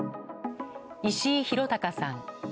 石井裕隆さん。